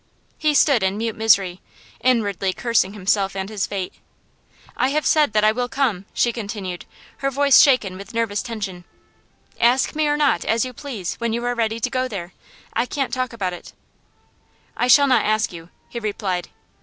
He stood in mute misery, inwardly cursing himself and his fate. 'I have said I will come,' she continued, her voice shaken with nervous tension. 'Ask me or not, as you please, when you are ready to go there. I can't talk about it.' 'I shall not ask you,' he replied.